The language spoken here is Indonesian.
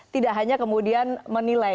tidak hanya kemudian menilai